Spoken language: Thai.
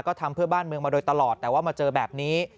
ก็ทำเพื่อบ้านเมืองมาโดยตลอดแต่ว่ามาเจอแบบนี้